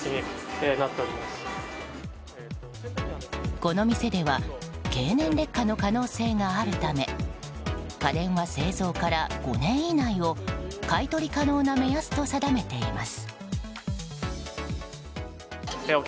この店では経年劣化の可能性があるため家電は製造から５年以内を買い取り可能な目安と定めています。